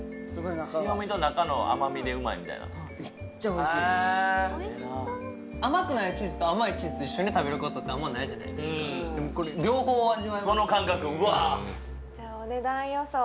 塩みと中の甘みでうまいみたいなめっちゃおいしいです甘くないチーズと甘いチーズ一緒に食べることってあんまりないじゃないですかでもこれ両方味わえますその感覚うわじゃあお値段予想